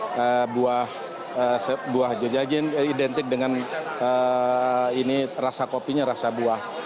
ini buah jajan identik dengan ini rasa kopinya rasa buah